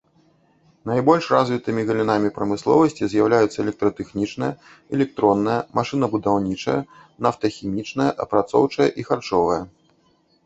Найбольш развітымі галінамі прамысловасці з'яўляюцца электратэхнічная, электронная, машынабудаўнічая, нафтахімічная, апрацоўчае і харчовая.